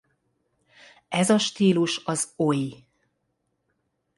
Ez a stílus az Oi!